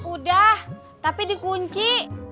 udah tapi dikunci